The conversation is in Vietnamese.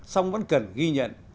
xong vẫn cần ghi nhận